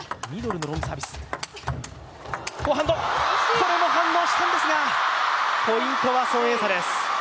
これも反応したんですが、ポイントは孫エイ莎です。